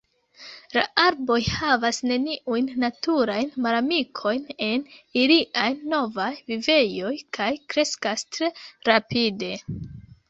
La arboj havas neniujn naturajn malamikojn en iliaj novaj vivejoj kaj kreskas tre rapide.